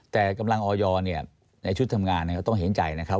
แต่กำลังออยในชุดทำงานก็ต้องเห็นใจนะครับ